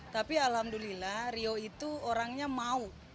tapi alhamdulillah rio itu orangnya mau